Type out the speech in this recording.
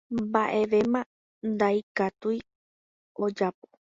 mba'evéma ndaikatúi ojapo